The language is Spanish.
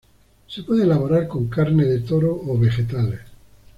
Se puede elaborar con carne de toro o vegetales.